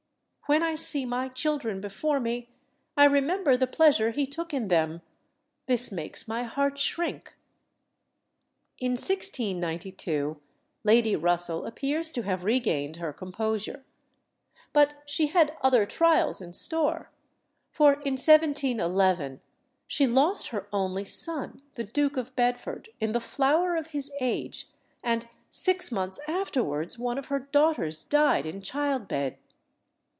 When I see my children before me, I remember the pleasure he took in them: this makes my heart shrink." In 1692 Lady Russell appears to have regained her composure. But she had other trials in store: for in 1711 she lost her only son, the Duke of Bedford, in the flower of his age, and six months afterwards one of her daughters died in childbed.